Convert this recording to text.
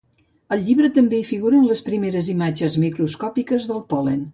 Al llibre també hi figuren les primeres imatges microscòpiques del pol·len.